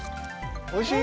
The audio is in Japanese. おいしい？